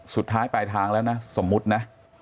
สุดท้ายปลายทางแล้วนะสมมุตินะ